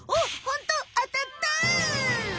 ホント当たった！